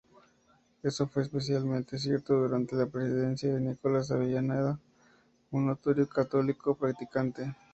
Eso fue especialmente cierto durante la presidencia de Nicolás Avellaneda, un notorio católico practicante.